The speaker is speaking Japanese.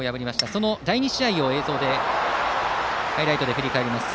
その第２試合をハイライトで振り返ります。